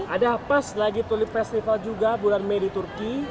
ada plus lagi tulip festival juga bulan mei di turki